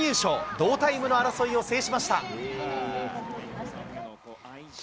同タイムの争いを制しました。